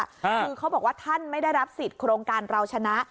คือเขาบอกว่าท่านไม่ได้รับสิทธิ์โครงการเราชนะ